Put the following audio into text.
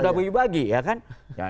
udah boleh dibagi ya kan